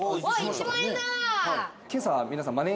１万円だ。